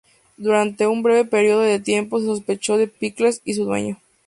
Durante un breve período de tiempo se sospechó de Pickles y su dueño.